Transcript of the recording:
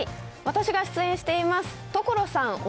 私が出演しています所さん